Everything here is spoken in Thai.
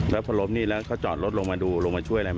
แล้วพอล้มนี่แล้วก็จอดรถลงมาดูลงมาช่วยอะไร